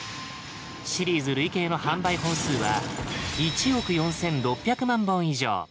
シリーズ累計の販売本数は１億４，６００万本以上。